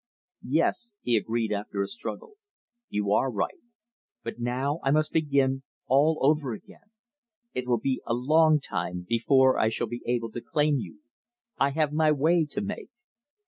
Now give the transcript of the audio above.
"Yes," he agreed after a struggle, "you are right. But now I must begin all over again. It will be a long time before I shall be able to claim you. I have my way to make."